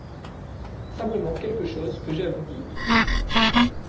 Simplement quelque chose que j'ai à vous dire.